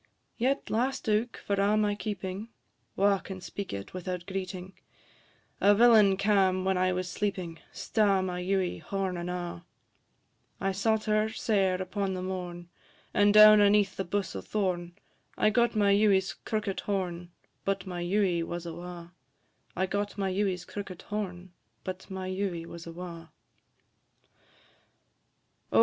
Yet last ouk, for a' my keeping, (Wha can speak it without greeting?) A villain cam' when I was sleeping, Sta' my Ewie, horn, and a': I sought her sair upo' the morn, And down aneath a buss o' thorn I got my Ewie's crookit horn, But my Ewie was awa'; I got my Ewie's crookit horn, &c. VII. O!